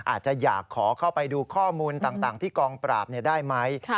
อาจจะอยากขอเข้าไปดูข้อมูลต่างที่กองปราบได้ไหม